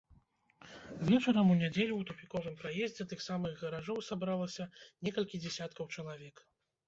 Вечарам у нядзелю ў тупіковым праездзе тых самых гаражоў сабралася некалькі дзесяткаў чалавек.